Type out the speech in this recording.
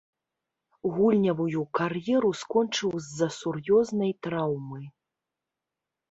Гульнявую кар'еру скончыў з-за сур'ёзнай траўмы.